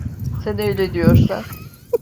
Sen öyle diyorsan…